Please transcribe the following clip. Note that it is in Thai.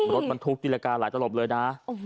รถบรรทุกจิรกาหลายตลบเลยนะ